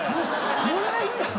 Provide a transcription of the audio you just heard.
もらえるやろ？